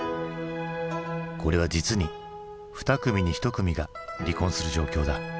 これは実に２組に１組が離婚する状況だ。